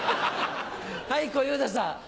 はい小遊三さん。